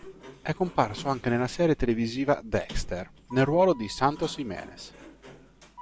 È comparso anche nella serie televisiva "Dexter", nel ruolo di Santos Jimenez.